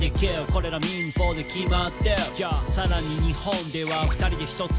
「これら民法で決まってる」「ＹＯさらに日本では２人で１つの戸籍に入って」